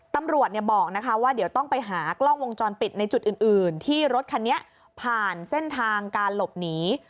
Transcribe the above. ตำรวจบอกนะคะว่าเดี๋ยวต้องไปหากล้องวงจรปิดในจุดอื่นที่รถคันนี้ผ่านเส้นทางการหลบหนี